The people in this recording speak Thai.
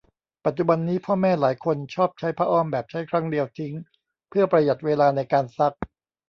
ปัจจุบันนี้พ่อแม่หลายคนชอบใช้ผ้าอ้อมแบบใช้ครั้งเดียวทิ้งเพือประหยัดเวลาในการซัก